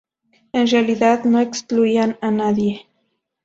En realidad no excluían a nadie.